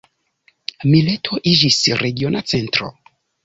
Mileto iĝis regiona centro.